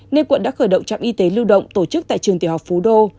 nên quận đã khởi động trạm y tế lưu động tổ chức tại trường tiểu học phú đô